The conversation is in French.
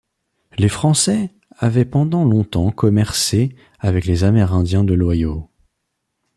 Les Français avaient pendant longtemps commercé avec les Amérindiens de l'Ohio.